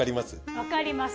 わかります。